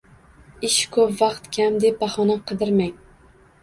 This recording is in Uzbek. “Ish ko‘p. Vaqt kam”, deb bahona qidirmang.